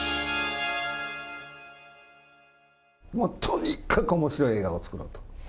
もうとにかくおもしろい映画を作ろうと。